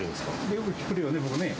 よく来るよね、僕ね。